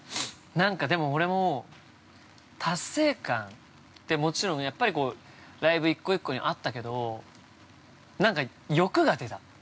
◆なんかでも俺も、達成感って、もちろんライブ１個１個にあったけど、なんか欲が出た。